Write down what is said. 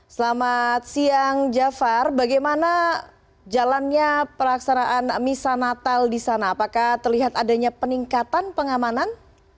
selamat siang jafar bagaimana jalannya pelaksanaan misa natal di sana apakah terlihat adanya peningkatan pengamanan